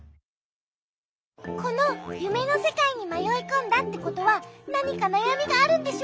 このゆめのせかいにまよいこんだってことはなにかなやみがあるんでしょ？